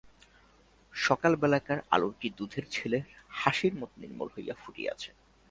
সকাল-বেলাকার আলোটি দুধের ছেলের হাসির মতো নির্মল হইয়া ফুটিয়াছে।